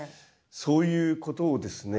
そういうことをですね